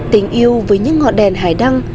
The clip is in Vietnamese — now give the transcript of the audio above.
tình yêu với những ngọn đèn hải đăng